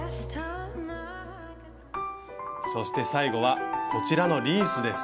そして最後はこちらのリースです。